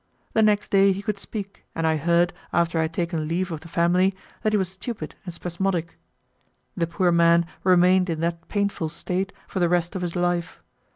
The next day he could speak, and I heard, after I had taken leave of the family, that he was stupid and spasmodic. The poor man remained in that painful state for the rest of his life.